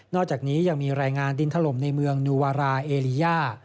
อกจากนี้ยังมีรายงานดินถล่มในเมืองนูวาราเอลีย่า